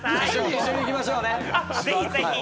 一緒に行きましょうね。